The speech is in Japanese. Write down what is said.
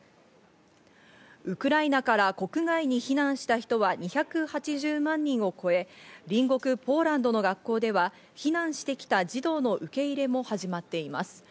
ウクライナから国外に避難した人は２８０万人を超え、隣国ポーランドの学校では避難してきた児童の受け入れも始まっています。